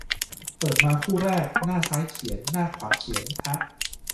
เปิดมาคู่แรก หน้าซ้ายเขียน หน้าขวาเขียน ฮะ